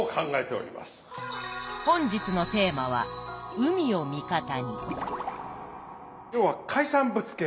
本日のテーマは今日は海産物系。